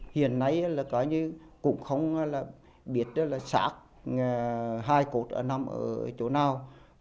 hiện nay là coi như cũng không biết là sạc hai cột ở nằm ở chỗ nào